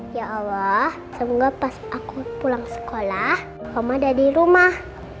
ya allah semoga pas aku pulang sekolah kom ada di rumah